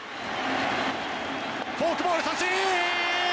フォークボール三振！